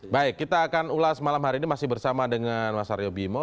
baik kita akan ulas malam hari ini masih bersama dengan mas aryo bimo